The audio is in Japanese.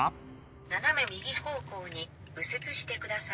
「斜め右方向に右折してください」